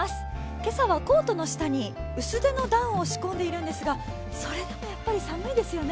今朝はコートの下に薄手のダウンを仕込んでいるんですがそれでも寒いですよね。